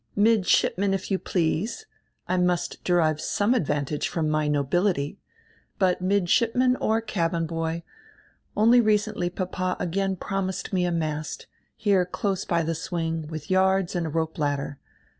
"Midshipman, if you please. I must derive some advan tage from my nobility. But midshipman or cabin boy, only recendy papa again promised me a mast, here close by the swing, widi yards and a rope ladder.